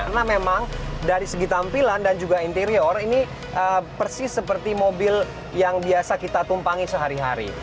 karena memang dari segi tampilan dan juga interior ini persis seperti mobil yang biasa kita tumpangi sehari hari